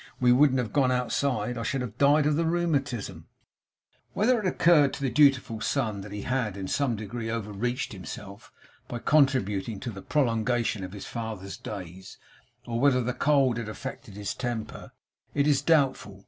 He, he, he! We couldn't have gone outside. I should have died of the rheumatism!' Whether it occurred to the dutiful son that he had in some degree over reached himself by contributing to the prolongation of his father's days; or whether the cold had effected his temper; is doubtful.